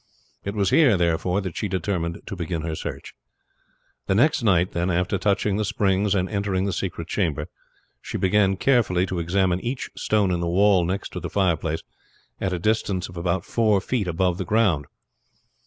It was here, therefore, that she determined to begin her search. The next night, then, after touching the springs and entering the secret chamber, she began carefully to examine each stone in the wall next the fireplace at a distance about four feet above the ground.